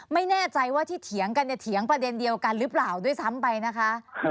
ไม่แน่ใจว่าที่เถียงกันเนี่ยเถียงประเด็นเดียวกันหรือเปล่าด้วยซ้ำไปนะคะ